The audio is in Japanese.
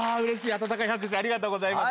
温かい拍手ありがとうございます。